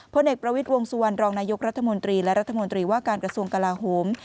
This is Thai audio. เอกประวิทย์วงสุวรรณรองนายกรัฐมนตรีและรัฐมนตรีว่าการกระทรวงกลาโหม